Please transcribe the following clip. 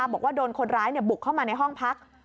บอกว่าโดนคนร้ายบุกเข้ามาในห้องพัก